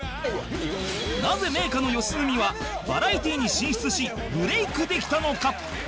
なぜ名家の良純はバラエティーに進出しブレイクできたのか？